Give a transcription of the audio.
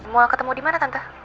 mau ketemu dimana tante